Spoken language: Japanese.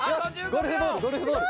ゴルフボールゴルフボール。